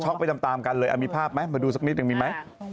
ไปตามกันเลยมีภาพไหมมาดูสักนิดหนึ่งมีไหม